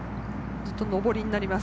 ずっと上りになります。